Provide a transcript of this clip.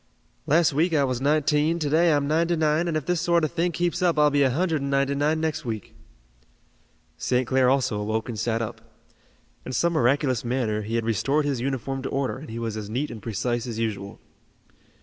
"Last week I was nineteen, to day I'm ninety nine, and if this sort of thing keeps up I'll be a hundred and ninety nine next week." St. Clair also awoke and sat up. In some miraculous manner he had restored his uniform to order and he was as neat and precise as usual.